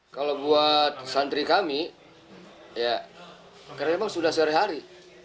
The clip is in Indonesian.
kalau buat santri kami ya karena memang sudah sehari hari